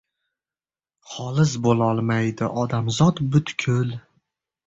Xolis bo‘lolmaydi odamzod butkul.